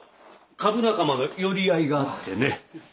株仲間の寄り合いがあってね。